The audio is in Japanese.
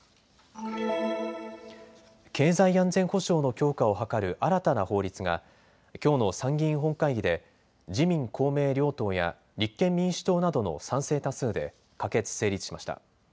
経済安全保障の強化を図る新たな法律がきょうの参議院本会議で自民公明両党や立憲民主党などの賛成多数で可決・成立しました。